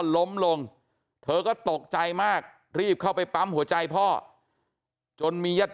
ล้มลงเธอก็ตกใจมากรีบเข้าไปปั๊มหัวใจพ่อจนมีญาติ